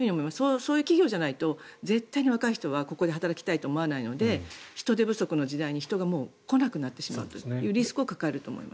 そういう企業じゃないと絶対に若い人はここで働きたいと思わないので人手不足の時代に人が来なくなってしまうというリスクを抱えると思います。